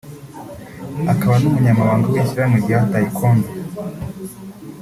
akaba n’umunyabanga w’ishyirahamwe rya Taekwondo